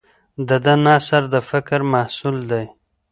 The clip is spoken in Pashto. د ده نثر د فکر محصول دی.